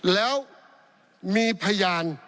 แล้วมีพยาน